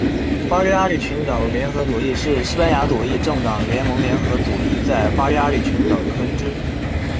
巴利阿里群岛联合左翼是西班牙左翼政党联盟联合左翼在巴利阿里群岛的分支。